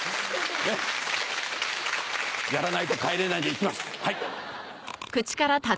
ねっやらないと帰れないんで行きますはい。